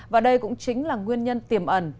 và đây cũng chính là nguyên nhân tiềm ẩn